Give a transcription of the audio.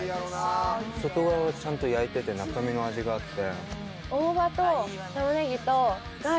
外側はちゃんと焼いてて中身の味があって。